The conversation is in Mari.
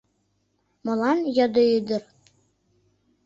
— Молан? — йодо ӱдыр.